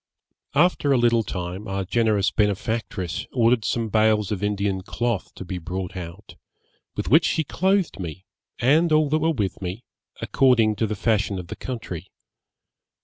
'After a little time our generous benefactress ordered some bales of Indian cloth to be brought out, with which she clothed me, and all that were with me, according to the fashion of the country.